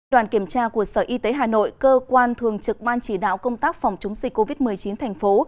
đoàn kiểm tra của sở y tế hà nội cơ quan thường trực ban chỉ đạo công tác phòng chống dịch covid một mươi chín thành phố